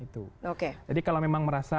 itu oke jadi kalau memang merasa